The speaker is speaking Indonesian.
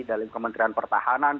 dari kementerian pertahanan